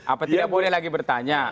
apa tidak boleh lagi bertanya